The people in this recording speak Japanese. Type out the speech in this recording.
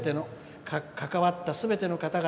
関わったすべての方々